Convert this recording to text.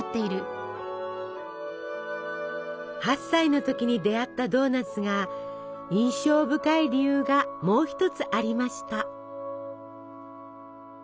８歳の時に出会ったドーナツが印象深い理由がもう一つありました。